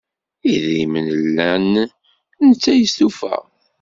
Idrimen llan netta yestufa.